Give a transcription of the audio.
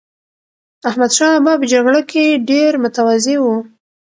احمدشاه بابا په جګړه کې ډېر متواضع و.